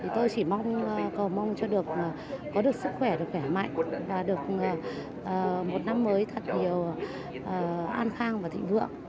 tôi chỉ mong cầu mong cho được có được sức khỏe được khỏe mạnh và được một năm mới thật nhiều an khang và thịnh vượng